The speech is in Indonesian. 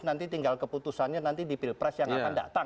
nanti tinggal keputusannya nanti di pilpres yang akan datang